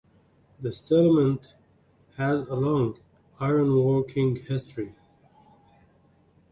The settlement has a long ironworking history.